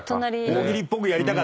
大喜利っぽくやりたかった？